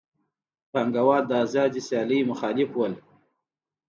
پانګوال د آزادې سیالۍ مخالف وو